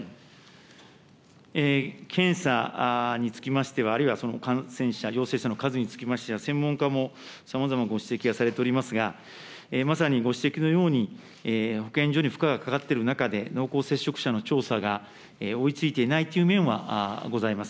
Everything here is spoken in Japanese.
検査につきましては、あるいはその感染者、陽性者の数につきましては、専門家もさまざまご指摘がされておりますが、まさにご指摘のように、保健所に負荷がかかっている中で、濃厚接触者の調査が追いついていないという面はございます。